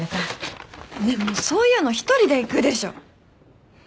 ねえもうそういうの一人で行くでしょ。